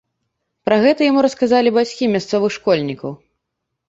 Пра гэта яму расказалі бацькі мясцовых школьнікаў.